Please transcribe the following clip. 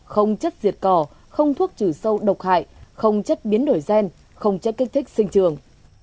không chất diệt cỏ không thuốc trừ sâu độc hại không chất biến đổi gen không chất kích thích sinh trường